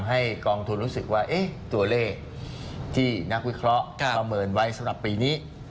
ให้กองทุนรู้สึกว่าตัวเลขที่นักวิเคราะห์ประเมินไว้สำหรับปีนี้